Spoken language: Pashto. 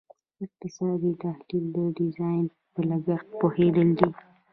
اقتصادي تحلیل د ډیزاین په لګښت پوهیدل دي.